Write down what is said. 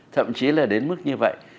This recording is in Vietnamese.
thậm chí là đến mức như vậy